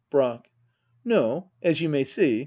Brack. No, as you may see.